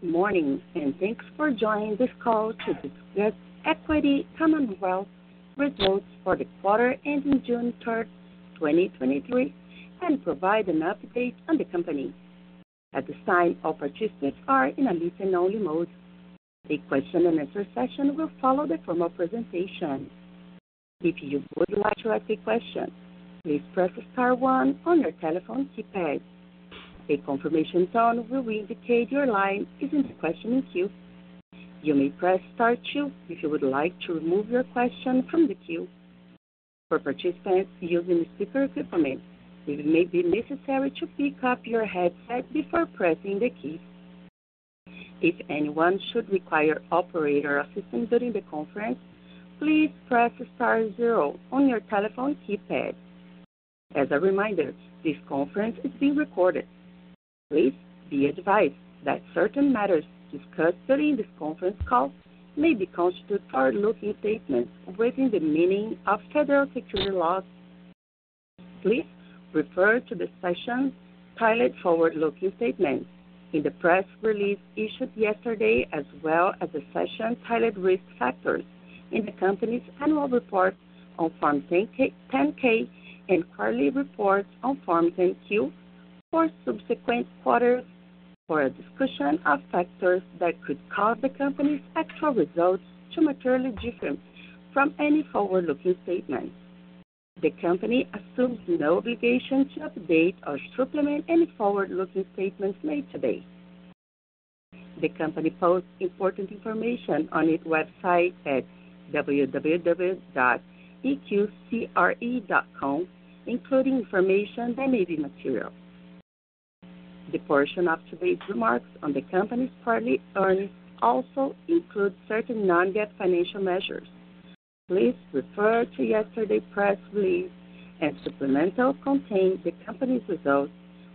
Good morning, and thanks for joining this call to discuss Equity Commonwealth results for the quarter ending June third, twenty twenty-three, and provide an update on the company. At this time, all participants are in a listen-only mode. A question-and-answer session will follow the formal presentation. If you would like to ask a question, please press star one on your telephone keypad. A confirmation tone will indicate your line is in the questioning queue. You may press star two if you would like to remove your question from the queue. For participants using speaker equipment, it may be necessary to pick up your headset before pressing the key. If anyone should require operator assistance during the conference, please press star zero on your telephone keypad. As a reminder, this conference is being recorded. Please be advised that certain matters discussed during this conference call may be constitute forward-looking statements within the meaning of federal security laws. Please refer to the section titled Forward-Looking Statements in the press release issued yesterday, as well as the section titled Risk Factors in the company's annual report on Form 10-K and quarterly report on Form 10-Q for subsequent quarters for a discussion of factors that could cause the company's actual results to materially different from any forward-looking statement. The company assumes no obligation to update or supplement any forward-looking statements made today. The company posts important information on its website at www.eqcre.com, including information and maybe material. The portion of today's remarks on the company's quarterly earnings also includes certain non-GAAP financial measures. Please refer to yesterday press release and supplemental containing the company's results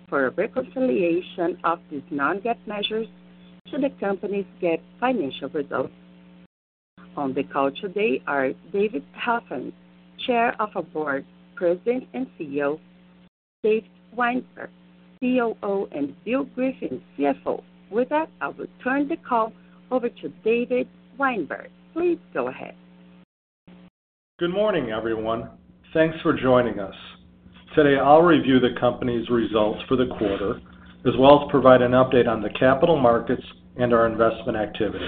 for a reconciliation of these non-GAAP measures to the company's GAAP financial results. On the call today are David Helfand, Chair of a Board, President, and CEO, David Weinberg, COO, and Bill Griffiths, CFO. With that, I will turn the call over to David Weinberg. Please go ahead. Good morning, everyone. Thanks for joining us. Today, I'll review the company's results for the quarter, as well as provide an update on the capital markets and our investment activities.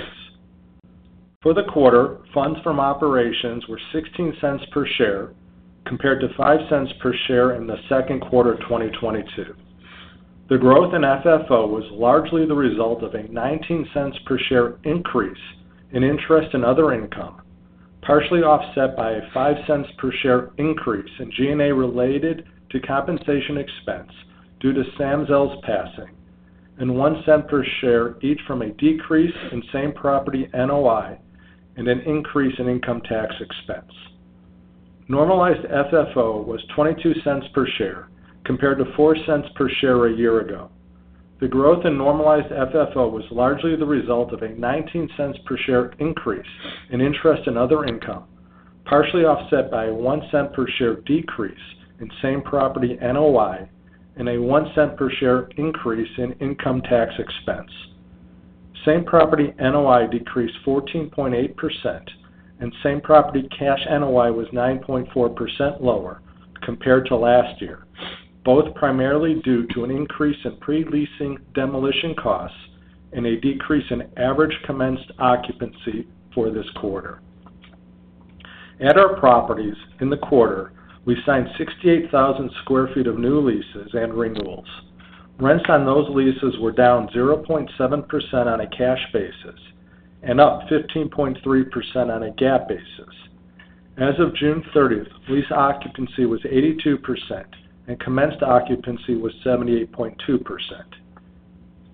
For the quarter, funds from operations were $0.16 per share, compared to $0.05 per share in the second quarter of 2022. The growth in FFO was largely the result of a $0.19 per share increase in interest and other income, partially offset by a $0.05 per share increase in G&A related to compensation expense due to Sam Zell's passing, and $0.01 per share, each from a decrease in Same Property NOI and an increase in income tax expense. Normalized FFO was $0.22 per share, compared to $0.04 per share a year ago. The growth in Normalized FFO was largely the result of a $0.19 per share increase in interest and other income, partially offset by a $0.01 per share decrease in Same Property NOI and a $0.01 per share increase in income tax expense. Same Property NOI decreased 14.8%, and Same Property Cash NOI was 9.4% lower compared to last year, both primarily due to an increase in pre-leasing demolition costs and a decrease in average commenced occupancy for this quarter. At our properties in the quarter, we signed 68,000 sq ft of new leases and renewals. Rents on those leases were down 0.7% on a cash basis and up 15.3% on a GAAP basis. As of June thirtieth, lease occupancy was 82%, and commenced occupancy was 78.2%.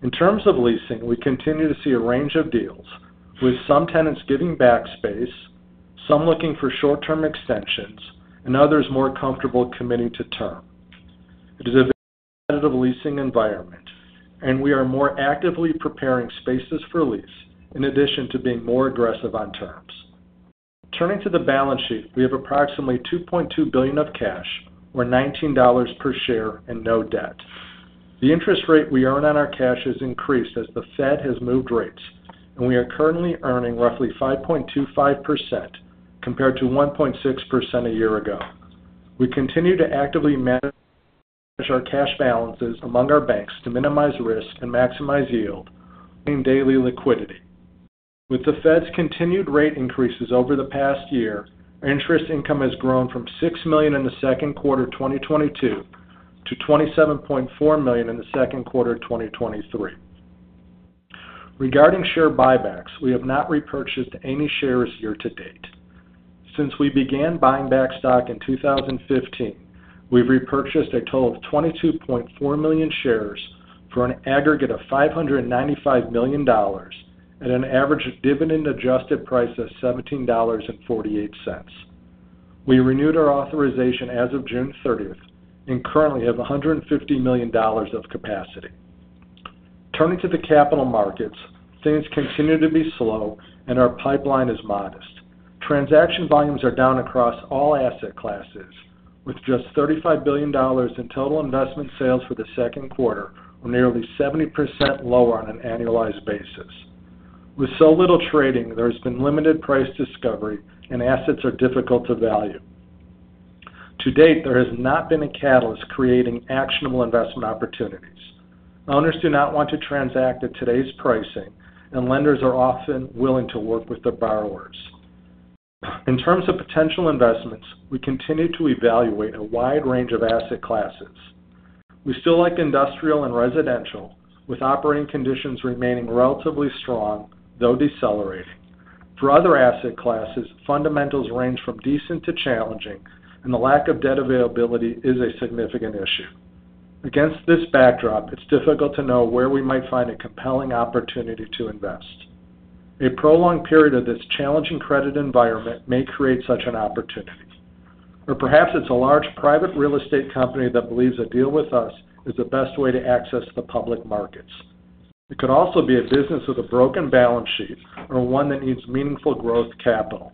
In terms of leasing, we continue to see a range of deals, with some tenants giving back space, some looking for short-term extensions, and others more comfortable committing to term. It is a competitive leasing environment, and we are more actively preparing spaces for lease, in addition to being more aggressive on terms. Turning to the balance sheet, we have approximately $2.2 billion of cash, or $19 per share, and no debt. The interest rate we earn on our cash has increased as the Fed has moved rates, and we are currently earning roughly 5.25%, compared to 1.6% a year ago. We continue to actively manage our cash balances among our banks to minimize risk and maximize yield in daily liquidity. With the Fed's continued rate increases over the past year, our interest income has grown from $6 million in the second quarter of 2022 to $27.4 million in the second quarter of 2023. Regarding share buybacks, we have not repurchased any shares year to date. Since we began buying back stock in 2015, we've repurchased a total of 22.4 million shares for an aggregate of $595 million at an average dividend adjusted price of $17.48. We renewed our authorization as of June thirtieth and currently have $150 million of capacity. Turning to the capital markets, things continue to be slow and our pipeline is modest. Transaction volumes are down across all asset classes, with just $35 billion in total investment sales for the second quarter, or nearly 70% lower on an annualized basis. With so little trading, there's been limited price discovery, and assets are difficult to value. To date, there has not been a catalyst creating actionable investment opportunities. Owners do not want to transact at today's pricing, lenders are often willing to work with the borrowers. In terms of potential investments, we continue to evaluate a wide range of asset classes. We still like industrial and residential, with operating conditions remaining relatively strong, though decelerating. For other asset classes, fundamentals range from decent to challenging, the lack of debt availability is a significant issue. Against this backdrop, it's difficult to know where we might find a compelling opportunity to invest. A prolonged period of this challenging credit environment may create such an opportunity. Perhaps it's a large private real estate company that believes a deal with us is the best way to access the public markets. It could also be a business with a broken balance sheet or one that needs meaningful growth capital.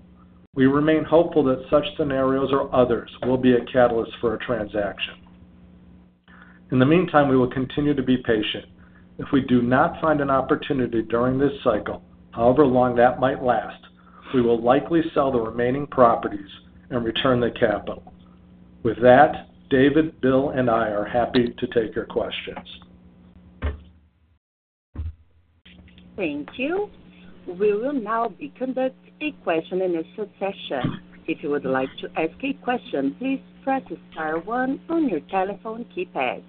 We remain hopeful that such scenarios or others will be a catalyst for a transaction. In the meantime, we will continue to be patient. If we do not find an opportunity during this cycle, however long that might last, we will likely sell the remaining properties and return the capital. With that, David, Bill, and I are happy to take your questions... Thank you. We will now conduct a question and answer session. If you would like to ask a question, please press star one on your telephone keypad.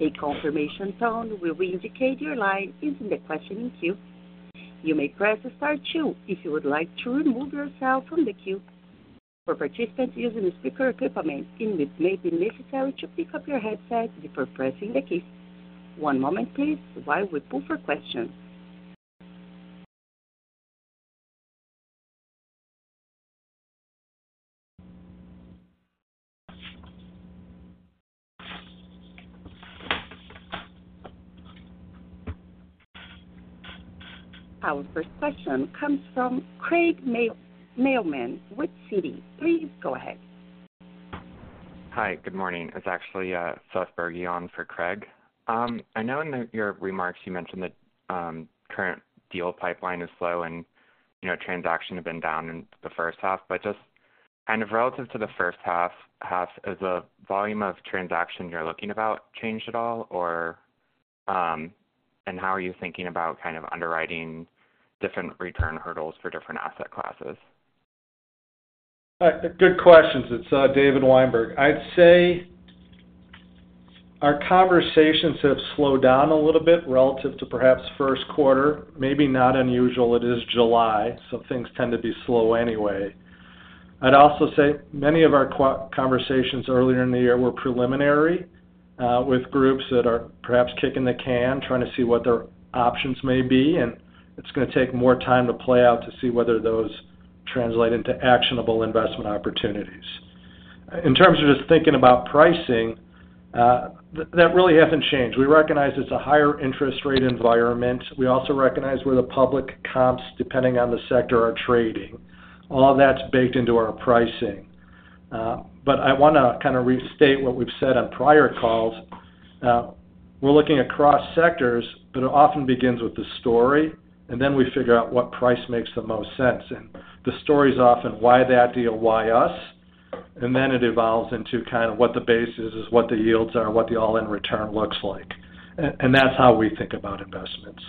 A confirmation tone will indicate your line is in the questioning queue. You may press star two if you would like to remove yourself from the queue. For participants using a speaker equipment, it may be necessary to pick up your headset before pressing the key. One moment please, while we pull for questions. Our first question comes from Craig Mailman with Citi. Please go ahead. Hi, good morning. It's actually Seth Bergey on for Craig. I know in your remarks, you mentioned that current deal pipeline is slow and, you know, transaction have been down in the first half. Just kind of relative to the first half, has the volume of transaction you're looking about changed at all? How are you thinking about kind of underwriting different return hurdles for different asset classes? Good questions. It's David Weinberg. I'd say our conversations have slowed down a little bit relative to perhaps first quarter, maybe not unusual. It is July, things tend to be slow anyway. I'd also say many of our conversations earlier in the year were preliminary with groups that are perhaps kicking the can, trying to see what their options may be, and it's gonna take more time to play out, to see whether those translate into actionable investment opportunities. In terms of just thinking about pricing, that really hasn't changed. We recognize it's a higher interest rate environment. We also recognize where the public comps, depending on the sector, are trading. All that's baked into our pricing. I wanna kind of restate what we've said on prior calls. We're looking across sectors, but it often begins with the story, and then we figure out what price makes the most sense. The story is often why that deal, why us, and then it evolves into kind of what the basis is, what the yields are, and what the all-in return looks like. That's how we think about investments.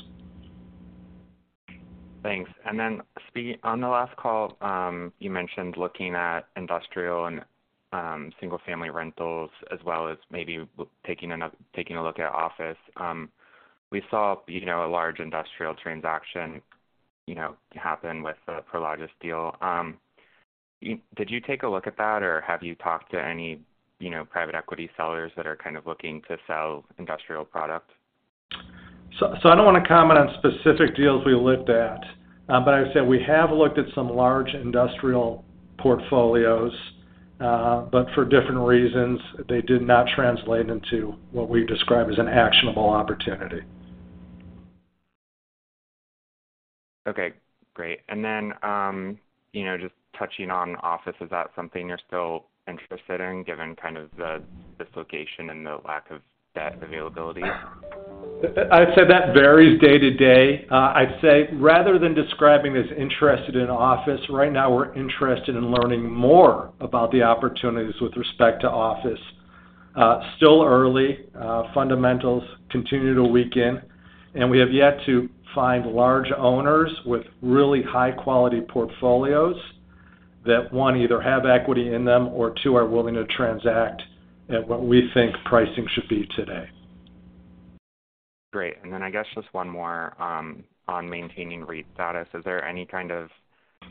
Thanks. On the last call, you mentioned looking at industrial and single-family rentals as well as maybe taking a look at office. We saw, you know, a large industrial transaction, you know, happen with the Prologis deal. Did you take a look at that, or have you talked to any, you know, private equity sellers that are kind of looking to sell industrial product? I don't want to comment on specific deals we looked at, but I would say we have looked at some large industrial portfolios, but for different reasons, they did not translate into what we describe as an actionable opportunity. Okay, great. Then, you know, just touching on office, is that something you're still interested in, given kind of the dislocation and the lack of debt availability? I'd say that varies day to day. I'd say rather than describing as interested in office, right now, we're interested in learning more about the opportunities with respect to office. Still early, fundamentals continue to weaken, and we have yet to find large owners with really high-quality portfolios that, one, either have equity in them or, two, are willing to transact at what we think pricing should be today. Great. I guess just one more on maintaining REIT status. Is there any kind of,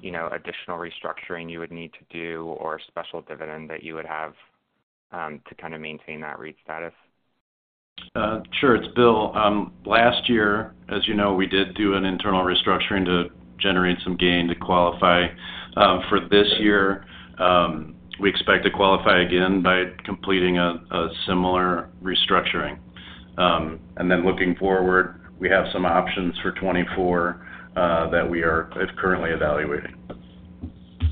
you know, additional restructuring you would need to do or special dividend that you would have to kind of maintain that REIT status? Sure. It's Bill. Last year, as you know, we did do an internal restructuring to generate some gain to qualify. For this year, we expect to qualify again by completing a similar restructuring. Then looking forward, we have some options for 2024 that we are currently evaluating.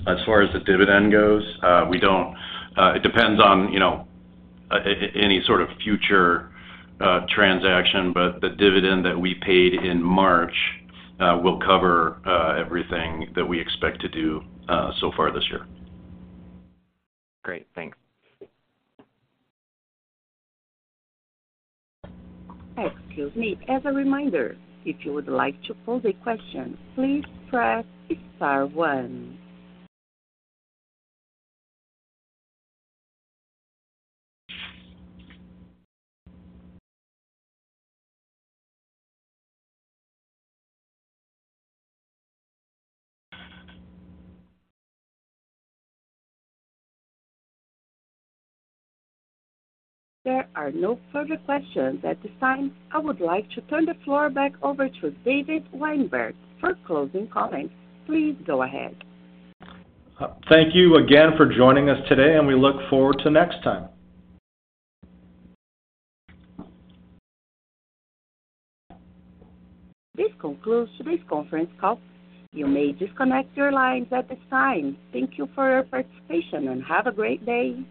As far as the dividend goes, we don't. It depends on, you know, any sort of future transaction, but the dividend that we paid in March will cover everything that we expect to do so far this year. Great. Thanks. Excuse me. As a reminder, if you would like to pose a question, please press star 1. There are no further questions. At this time, I would like to turn the floor back over to David Weinberg for closing comments. Please go ahead. Thank you again for joining us today, and we look forward to next time. This concludes today's conference call. You may disconnect your lines at this time. Thank you for your participation, and have a great day.